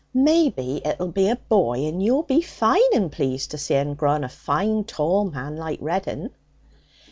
'Maybe it'll be a boy, and you'll be fine and pleased to see 'un growing a fine tall man like Reddin.'